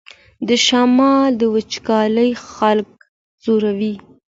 د شمال وچکالي خلک ځوروي